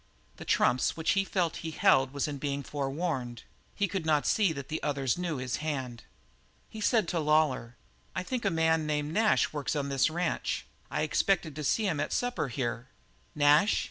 The trumps which he felt he held was in being forewarned; he could not see that the others knew his hand. He said to Lawlor: "I think a man named Nash works on this ranch. I expected to see him at supper here." "Nash?"